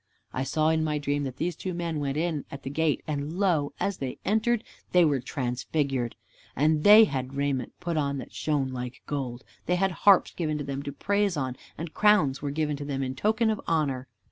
I saw in my dream that these two men went in at the gate, and lo! as they entered they were transfigured. And they had raiment put on that shone like gold. They had harps given to them to praise on, and crowns were given to them in token of honor.